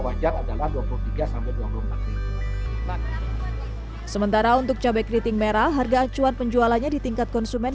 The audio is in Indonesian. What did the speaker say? wajar adalah dua puluh tiga dua puluh empat sementara untuk cabai keriting merah harga acuan penjualannya di tingkat konsumen